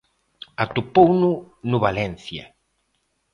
Atopouno no Valencia.